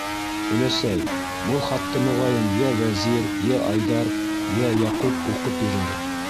Өләсәй, был хатты, моғайын, йә Вәзир, йә Айҙар, йә Яҡуп уҡып бирер.